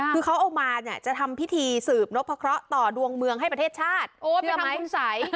คือเขาเอามาจะทำพิธีสืบนพเบาะเพาะต่อดวงเมืองให้ประเทศชาติ